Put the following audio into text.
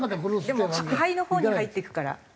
でも肺のほうに入っていくから。